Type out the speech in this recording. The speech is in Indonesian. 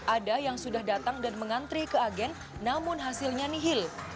ada yang sudah datang dan mengantri ke agen namun hasilnya nihil